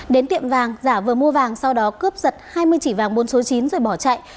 đến tiệm vàng giả vừa mua vàng sau đó cướp giật hai mươi chỉ vàng bốn số chín rồi bỏ chạy